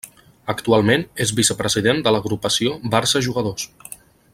Actualment és vicepresident de l'Agrupació Barça Jugadors.